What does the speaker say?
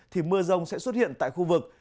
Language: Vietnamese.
thì mưa rông sẽ xuất hiện tại khu vực